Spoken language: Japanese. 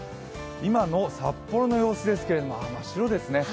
今の札幌の様子ですけども、真っ白ですね。